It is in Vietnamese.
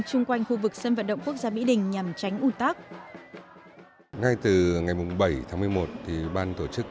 chung quanh khu vực sân vận động quốc gia mỹ đình nhằm tránh ủ tắc